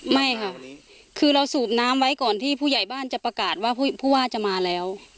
ไม่ค่ะคือเราสูบน้ำไว้ก่อนที่ผู้ใหญ่บ้านจะประกาศว่าผู้ว่าจะมาแล้ว